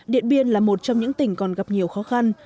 điện biên là một trong những tỉnh còn gặp nhiều khó khăn